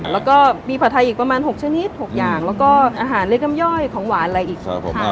แล้วก็มีผัดไทยอีกประมาณ๖ชนิด๖อย่างแล้วก็อาหารเล็กน้ำย่อยของหวานอะไรอีกครับผม